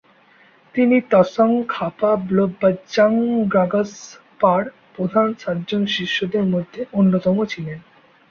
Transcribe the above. তিনি ত্সোং-খা-পা-ব্লো-ব্জাং-গ্রাগ্স-পার প্রধান সাতজন শিষ্যদের মধ্যে অন্যতম ছিলেন।